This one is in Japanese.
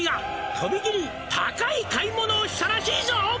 「とびきり高い買い物をしたらしいぞ」